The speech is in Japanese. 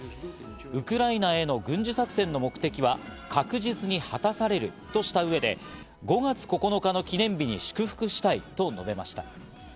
ウクライナへの軍事作戦の目的は確実に果たされるとした上で、５月９日の記念日に祝福したいと述べました。